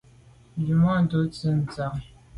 Nzwimàntô tsho’te ntsha.